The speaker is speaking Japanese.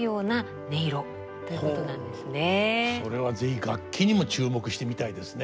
それは是非楽器にも注目してみたいですね。